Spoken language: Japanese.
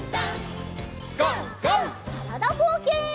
からだぼうけん。